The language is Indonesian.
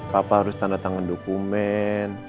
papa harus tanda tangan dokumen